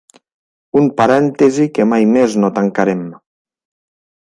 Un parèntesi que mai més no tancarem.